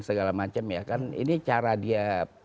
segala macam ya kan ini cara dia